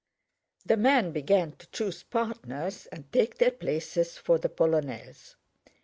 The men began to choose partners and take their places for the polonaise.